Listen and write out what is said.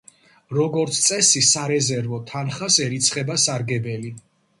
როგორც წესი, სარეზერვო თანხას ერიცხება სარგებელი.